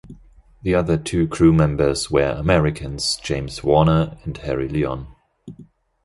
The other two crew members were Americans James Warner and Harry Lyon.